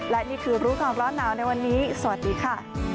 และนี่คือรู้ก่อนร้อนหนาวในวันนี้สวัสดีค่ะ